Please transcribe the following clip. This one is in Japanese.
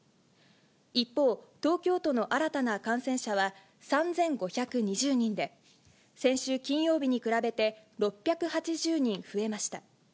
一方、東京都の新たな感染者は３５２０人で、先週金曜日に比べて６８０人増えました。